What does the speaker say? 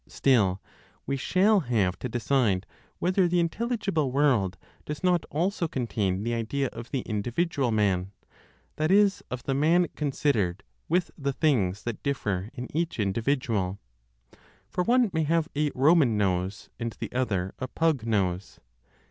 Still we shall have to decide whether the intelligible world does not also contain the idea of the individual man, that is, of the man considered with the things that differ in each individual; for one may have a Roman nose and the other a pug nose.